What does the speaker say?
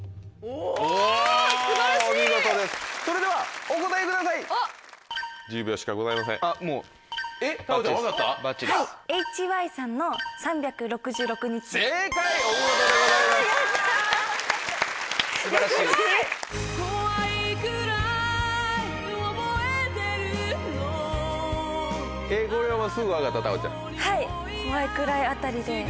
はい。